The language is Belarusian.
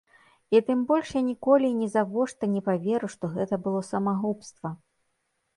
І тым больш я ніколі і нізавошта не паверу, што гэта было самагубства.